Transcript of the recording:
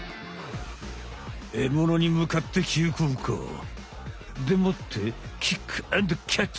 エモノにむかって急降下！でもってキックアンドキャッチ！